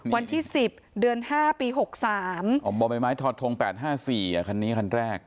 วันที่๑๐เดือน๕ปี๖๓อ่อบ่อยไม้ไม้ถอดทง๘๕๔อ่ะคันนี้คันแรก